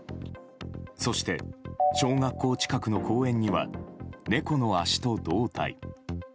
そして、小学校近くの公園には猫の脚と胴体。